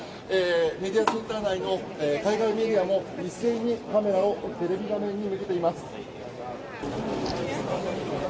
メディアセンター内の海外メディアも、一斉にカメラをテレビ画面に向けています。